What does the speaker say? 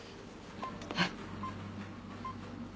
えっ？